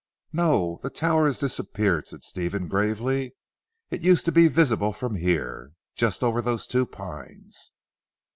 "No. The tower has disappeared;" said Stephen gravely, "it used to be visible from here. Just over those two pines."